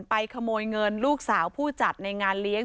ขโมยเงินลูกสาวผู้จัดในงานเลี้ยง